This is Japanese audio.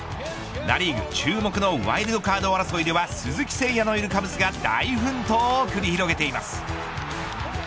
ナ・リーグ注目のワイルドカード争いでは鈴木誠也のいるカブスが大奮闘を繰り広げています。